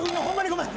ごめん！